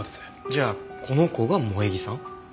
じゃあこの子が萌衣さん？